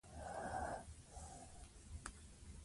باید دا برخه هېره نه کړو.